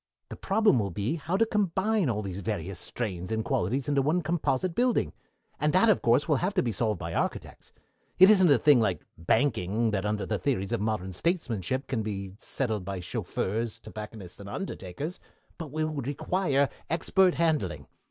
The problem will be how to combine all these various strains and qualities in one composite building, and that, of course, will have to be solved by architects. It isn't a thing like banking that under the theories of modern Statesmanship can be settled by chauffeurs, tobacconists, and undertakers, but will require expert handling.